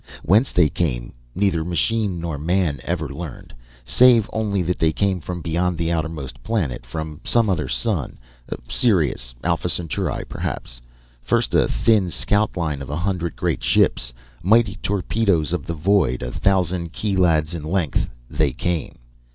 Whence they came, neither machine nor man ever learned, save only that they came from beyond the outermost planet, from some other sun. Sirius Alpha Centauri perhaps! First a thin scoutline of a hundred great ships, mighty torpedoes of the void a thousand kilads in length, they came.